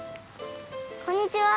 こんにちは。